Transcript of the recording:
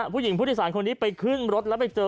ผู้หญิงพุทธศาลคนนี้ไปขึ้นรถแล้วไปเจอ